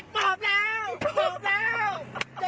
ปีปีปี